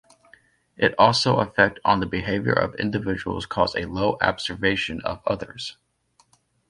It also affect on the behavior of individuals cause a low abservation of others.